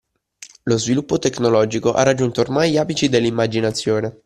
Lo sviluppo tecnologico ha raggiunto ormai gli apici dell'immaginazione.